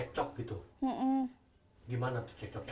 karena tidak ada makan di rumah dan segalanya